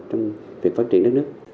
trong việc phát triển nước nước